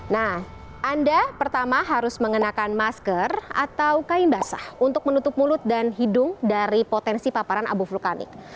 nah anda pertama harus mengenakan masker atau kain basah untuk menutup mulut dan hidung dari potensi paparan abu vulkanik